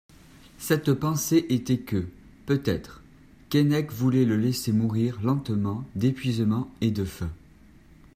Cette pensée était que, peut-être, Keinec voulait le laisser mourir lentement d'épuisement et de faim.